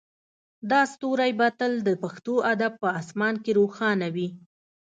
دا ستوری به تل د پښتو ادب په اسمان کې روښانه وي